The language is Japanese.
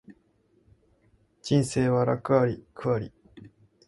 人生は楽あり苦あり